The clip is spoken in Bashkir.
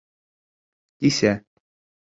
Кисә